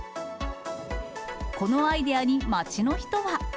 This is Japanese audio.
このアイデアに、街の人は。